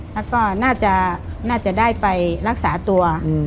แล้วก็น่าจะได้ไปรักษาตัว